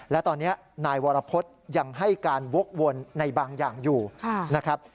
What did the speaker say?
และตอนนี้นายวรพฤษยังให้การวกวนในบางอย่างอยู่นะครับ